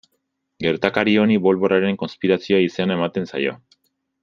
Gertakari honi Bolboraren konspirazioa izena ematen zaio.